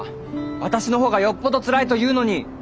私の方がよっぽどつらいというのに。